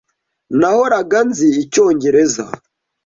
Nahoraga nzi icyongereza.